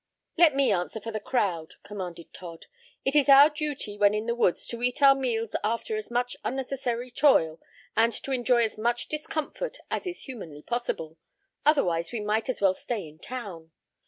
"Let me answer for the crowd," commanded Todd. "It is our duty when in the woods to eat our meals after as much unnecessary toil, and to enjoy as much discomfort, as is humanly possible. Otherwise we might as well stay in town.